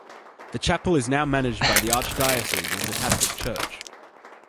The chapel is now managed by the Archdiocese as a Catholic church.